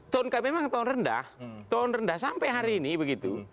tahun kami memang tahun rendah tahun rendah sampai hari ini begitu